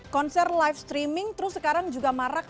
konser live streaming terus sekarang juga marak